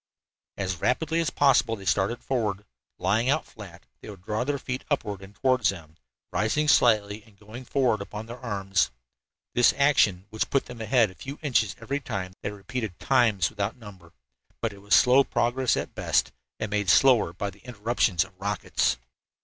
As rapidly as possible they started forward. Lying out flat, they would draw their feet upward and toward them, rising slightly and going forward upon their arms. This action, which put them ahead a few inches every time, they repeated times without number. But it was slow progress at best, and made slower by the interruptions of the rockets.